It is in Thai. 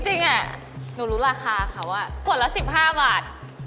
จริงเนี่ยหนูรู้ราคาเขาอะขวดละ๑๕บาท